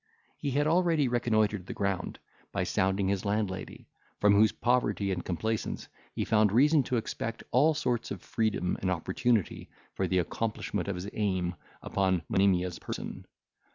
He had already reconnoitred the ground, by sounding his landlady, from whose poverty and complaisance he found reason to expect all sorts of freedom and opportunity for the accomplishment of his aim upon Monimia's person.